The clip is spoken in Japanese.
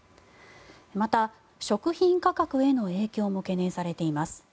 また、食品価格への影響も懸念されています。